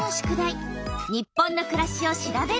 「日本のくらし」を調べること。